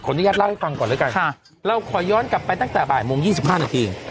ขออนุญาตเล่าให้ฟังก่อนแล้วกันค่ะเราขอย้อนกลับไปตั้งแต่บ่ายมุมยี่สิบห้านาที